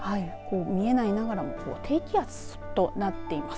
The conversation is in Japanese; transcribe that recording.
見えないながらも低気圧となっています。